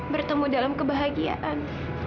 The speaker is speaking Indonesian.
bertemu dalam kebahagiaan